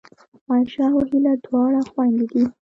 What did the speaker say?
عایشه او هیله دواړه خوېندې دي